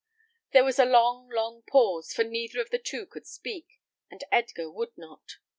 There was a long, long pause, for neither of the two could speak, and Edgar would not.